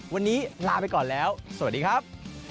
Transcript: วันนี้ลาไปก่อนแล้วสวัสดีครับ